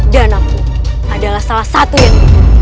danau adalah salah satu yang